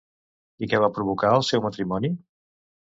I què va provocar el seu matrimoni?